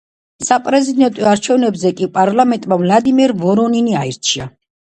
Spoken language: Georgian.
საპრეზიდენტო არჩევნებზე კი პარლამენტმა ვლადიმერ ვორონინი აირჩია.